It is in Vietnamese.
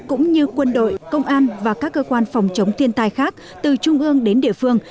cũng như quân đội công an và các cơ quan phòng chống thiên tai khác từ trung ương đến địa phương